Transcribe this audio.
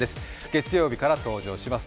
月曜日から登場します。